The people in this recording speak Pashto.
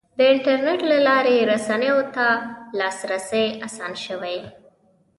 د انټرنیټ له لارې رسنیو ته لاسرسی اسان شوی.